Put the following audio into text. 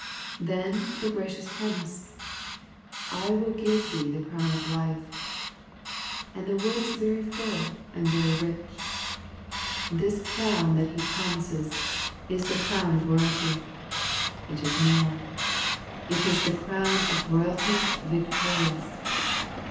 Then the gracious promise. " I will give thee the crown of life," and the word is very full and very rich. This crown that He prom ises is the crown of royalty. It is more. It is the crown of royalty victorious.